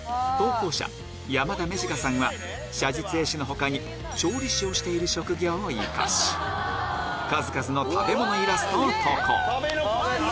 写実絵師の他に調理師をしている職業を生かし数々の食べ物イラストを投稿